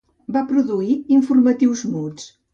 Va produir informatius muts.